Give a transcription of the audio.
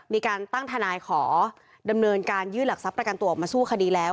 มีการตั้งทนายขอดำเนินการยื่นหลักทรัพย์ประกันตัวออกมาสู้คดีแล้ว